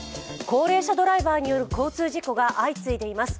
高齢者ドライバーによる交通事故が相次いでいます。